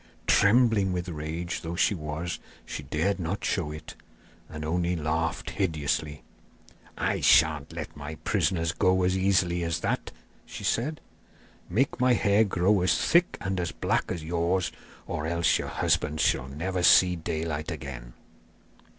Trembling with rage though she was, she dared not show it, and only laughed hideously. 'I sha'n't let my prisoners go as easily as all that!' she said. 'Make my hair grow as thick and as black as yours, or else your husbands shall never see daylight again.